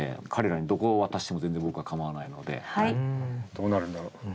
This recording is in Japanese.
どうなるんだろう。